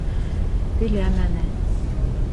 Теләмәне.